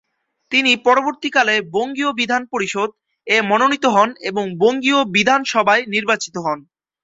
তিনি পরবর্তীকালে 'বঙ্গীয় বিধান পরিষদ'-এ মনোনীত হন এবং 'বঙ্গীয় বিধানসভা'য় নির্বাচিত হন।